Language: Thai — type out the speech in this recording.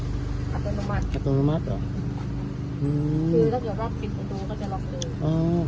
คือถ้าเกิดว่ากินประตูก็จะรอเกิน